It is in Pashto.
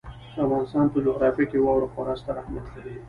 د افغانستان په جغرافیه کې واوره خورا ستر اهمیت لري.